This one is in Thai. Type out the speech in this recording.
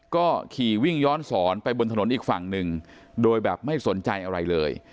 ก็ขี่วิ่งย้อนสอนไปบนถนนอีกฝั่งหนึ่งโดยแบบไม่สนใจอะไรเลย